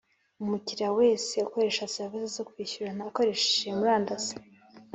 Umukiriya wese ukoresha serivisi zo kwishyurana akoresheje murandasi